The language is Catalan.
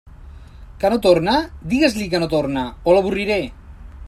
Que no torne: digues-li que no torne, o l'avorriré.